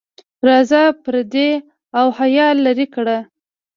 راځه پردې او حیا لرې کړه.